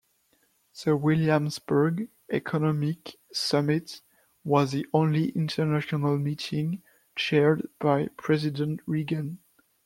The Williamsburg Economic Summit was the only international meeting chaired by President Reagan.